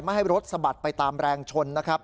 ให้รถสะบัดไปตามแรงชนนะครับ